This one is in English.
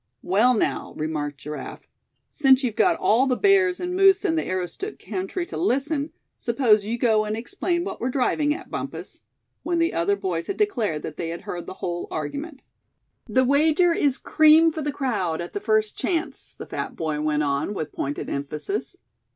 "Well, now," remarked Giraffe, "since you've got all the bears and moose in the Aroostook country to listen, suppose you go and explain what we're driving at, Bumpus," when the other boys had declared that they heard the whole argument. "The wager is cream for the crowd at the first chance," the fat boy went on, with pointed emphasis.